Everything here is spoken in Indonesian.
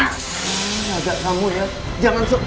ini agak kamu ya jangan sok